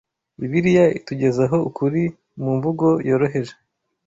Bibiliya itugezaho ukuri mu mvugo yoroheje